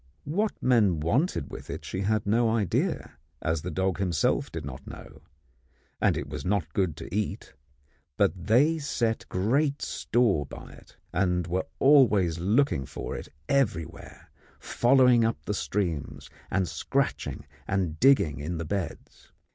What men wanted with it she had no idea, as the dog himself did not know, and it was not good to eat; but they set great store by it, and were always looking for it everywhere, following up the streams and scratching and digging in the beds.